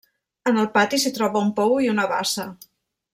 En el pati s'hi troba un pou i una bassa.